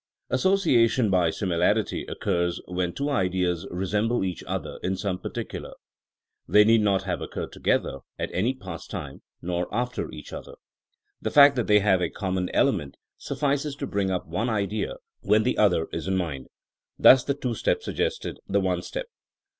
Association by similarity occurs when two ideas resemble each other in some par ticular. They need not have occurred together at any past time, nor after each other. The fact that they have a common element suffices to THINEINa AS A SOIENOE 71 bring up one idea when the other is in mind: thus the two step suggested the one step.